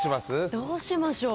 どうしましょう。